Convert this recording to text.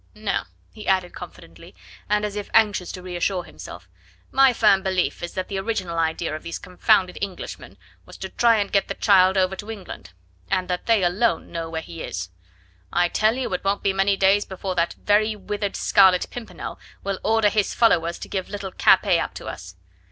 No," he added confidently, and as if anxious to reassure himself, "my firm belief is that the original idea of these confounded Englishmen was to try and get the child over to England, and that they alone know where he is. I tell you it won't be many days before that very withered Scarlet Pimpernel will order his followers to give little Capet up to us.